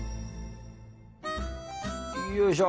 よいしょ！